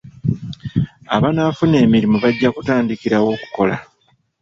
Abanaafuna emirimu bajja kutandikirawo okukola.